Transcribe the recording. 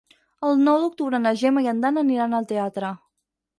El nou d'octubre na Gemma i en Dan aniran al teatre.